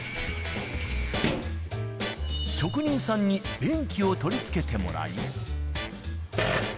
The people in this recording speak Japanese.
職人さんに便器を取り付けてもらい。